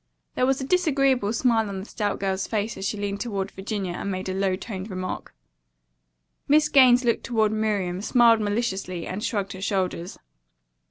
There was a disagreeable smile on the stout girl's face as she leaned toward Virginia and made a low toned remark. Miss Gaines looked toward Miriam, smiled maliciously, and shrugged her shoulders.